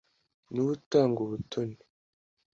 Ni we utanga ubutoni